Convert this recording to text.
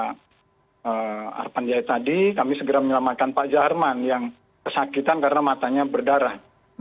pak arpan jaya tadi kami segera menyelamatkan pak jaharman yang kesakitan karena matanya berdarah